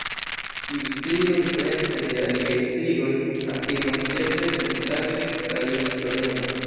Tiu strigo, diference de aliaj strigoj, aktivas ĉefe dumtage kaj estas solema.